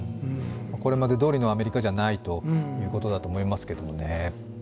これまでどおりのアメリカじゃないということだと思いますけどね。